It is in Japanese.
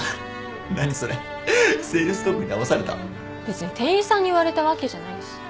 別に店員さんに言われたわけじゃないし。